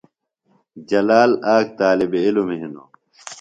جلال آک طالبعلم ہِنوۡ۔